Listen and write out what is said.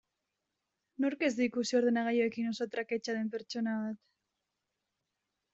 Nork ez du ikusi ordenagailuekin oso traketsa den pertsona bat?